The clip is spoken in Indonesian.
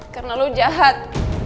karena lo jahat